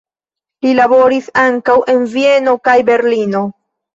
Li laboris ankaŭ en Vieno kaj Berlino.